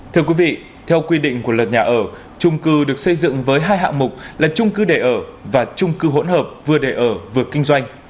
thưa quý vị theo quy định của luật nhà ở trung cư được xây dựng với hai hạng mục là trung cư để ở và trung cư hỗn hợp vừa để ở vừa kinh doanh